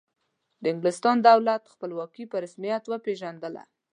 د انګلستان دولت خپلواکي په رسمیت وپیژندله.